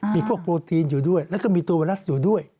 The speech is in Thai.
มีพวกโปรตีนอยู่ด้วยแล้วก็มีตัวไวรัสอยู่ด้วย